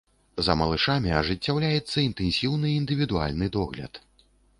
За малышамі ажыццяўляецца інтэнсіўны індывідуальны догляд.